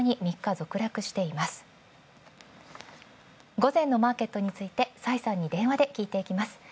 午前のマーケットについて崔さんの電話で聞いていきます。